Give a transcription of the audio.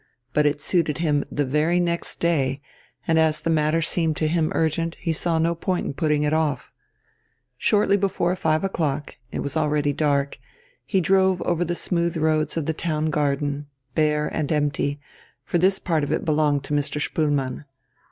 But it suited him the very next day, and as the matter seemed to him urgent, he saw no point in putting it off. Shortly before five o'clock it was already dark he drove over the smooth roads of the Town Garden bare and empty, for this part of it belonged to Mr. Spoelmann.